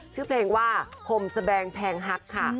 ชื่อเพลงว่าผมแสดงแพงฮักค่ะ